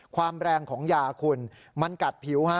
ความแรงของยาคุณมันกัดผิวฮะ